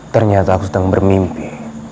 ternyata saya sedang bermimpi